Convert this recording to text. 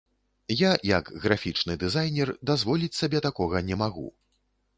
Я, як графічны дызайнер, дазволіць сабе такога не магу.